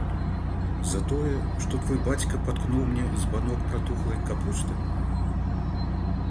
За тое, што твой бацька паткнуў мне збанок пратухлай капусты?